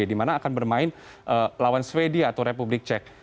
di mana akan bermain lawan sweden atau republik cek